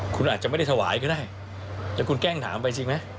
คุณอาจจะไม่ได้ถวายก็ได้แต่คุณแกล้งถามไปจริงไหม